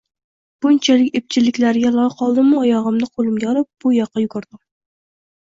Bunchalik epchilliklariga lol qoldim-u, oyog`imni qo`limga olib, bu yoqqa yugurdim